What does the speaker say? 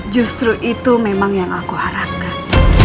justru itu memang yang aku harapkan